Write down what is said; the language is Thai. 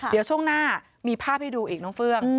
เดี๋ยวช่วงหน้ามีภาพให้ดูอีกน้องเฟื่อง